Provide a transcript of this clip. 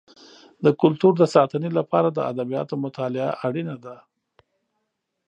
د کلتور د ساتنې لپاره د ادبیاتو مطالعه اړینه ده.